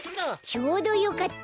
ちょうどよかった。